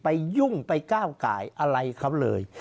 ไปยุ่งไปก้าวจะกายอะไรเขาเลย